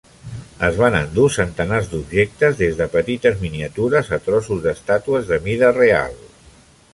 Es van endur centenars d'objectes, des de petites miniatures a trossos d'estàtues de mida real.